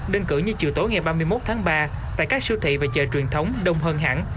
đơn cử như chiều tối ngày ba mươi một tháng ba tại các siêu thị và chợ truyền thống đông hơn hãng